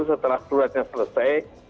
setelah seluruhnya selesai